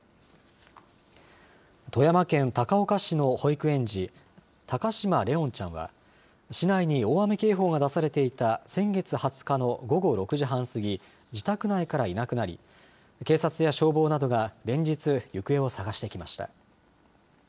富山県高岡市の保育園児、高嶋怜音ちゃんは、市内に大雨警報が出されていた先月２０日の午後６時半過ぎ、自宅内からいなくなり、警察や消防などが連日、行方を捜してきました。